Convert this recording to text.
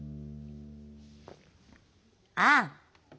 ああ！